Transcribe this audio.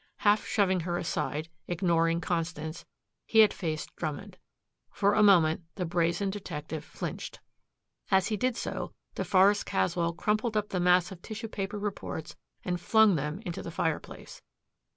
Half shoving her aside, ignoring Constance, he had faced Drummond. For a moment the brazen detective flinched. As he did so, deForest Caswell crumpled up the mass of tissue paper reports and flung them into the fireplace.